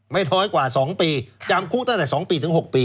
น้อยกว่า๒ปีจำคุกตั้งแต่๒ปีถึง๖ปี